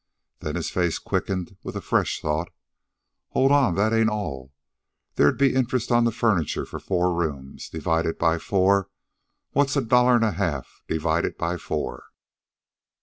Then his face quickened with a fresh thought. "Hold on! That ain't all. That'd be the interest on the furniture for four rooms. Divide by four. What's a dollar an' a half divided by four?"